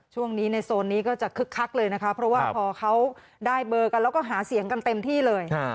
ช่วงนี้ในโซนนี้ก็จะคึกคักเลยนะคะเพราะว่าพอเขาได้เบอร์กันแล้วก็หาเสียงกันเต็มที่เลย